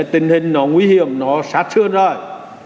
tình hình nó nguy hiểm nó sát sơn rồi